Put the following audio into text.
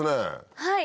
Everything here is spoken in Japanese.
はい。